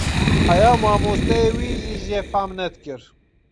Heya mamosteyê wî jî jê fam nedikir.